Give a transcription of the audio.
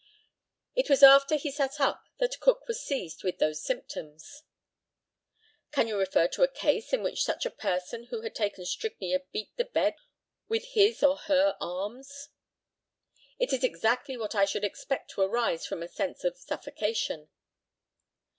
It was after he sat up that Cook was seized with those symptoms. Can you refer to a case in which a person who had taken strychnia beat the bed with his or her arms? It is exactly what I should expect to arise from a sense of suffocation.